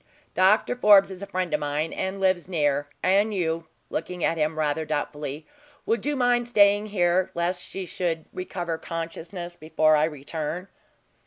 Doctor Forbes is a friend of mine, and lives near; and you," looking at him rather doubtfully, "would you mind staying here, lest she should recover consciousness before I return?"